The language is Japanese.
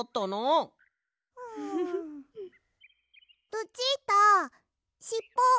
ルチータしっぽ。